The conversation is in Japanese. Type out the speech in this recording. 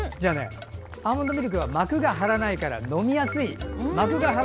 アーモンドミルクは膜を張らないから飲みやすい。